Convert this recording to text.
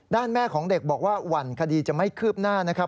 แม่ของเด็กบอกว่าหวั่นคดีจะไม่คืบหน้านะครับ